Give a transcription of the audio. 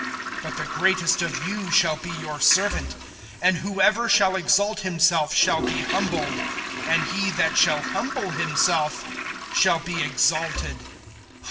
(11)But the greatest of you shall be your servant. (12)And whoever shall exalt himself shall be humbled; and he that shall humble himself shall be exalted.